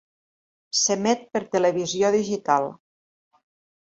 S'emet per televisió digital.